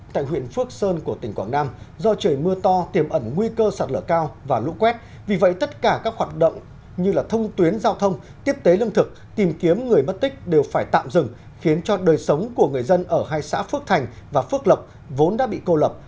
tại huyện phước sơn của tỉnh quảng nam do trời mưa to tiềm ẩn nguy cơ sạt lở cao và lũ quét vì vậy tất cả các hoạt động như thông tuyến giao thông tiếp tế lương thực tìm kiếm người mất tích đều phải tạm dừng khiến cho đời sống của người dân ở hai xã phước thành và phước lộc vốn đã bị cô lập